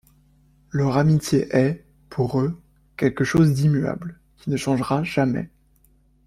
Leur amitié est, pour eux, quelque chose d'immuable, qui ne changera jamais.